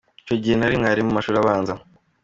Icyo gihe nari mwarimu mu mashuri abanza.